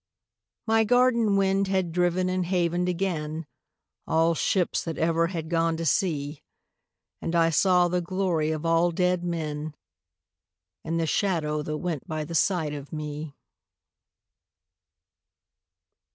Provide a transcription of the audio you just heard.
My garden wind had driven and havened again All ships that ever had gone to sea, And I saw the glory of all dead men In the shadow that went by the side of me.